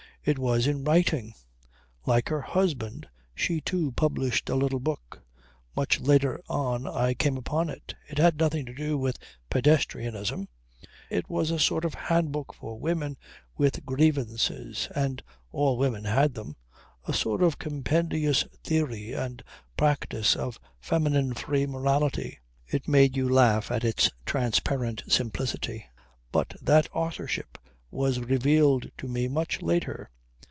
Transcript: It was in writing. Like her husband she too published a little book. Much later on I came upon it. It had nothing to do with pedestrianism. It was a sort of hand book for women with grievances (and all women had them), a sort of compendious theory and practice of feminine free morality. It made you laugh at its transparent simplicity. But that authorship was revealed to me much later.